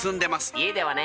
家ではね。